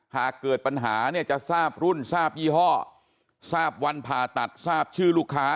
หากเกิดปัญหาเนี่ยจะทราบรุ่นทราบยี่ห้อทราบวันผ่าตัดทราบชื่อลูกค้า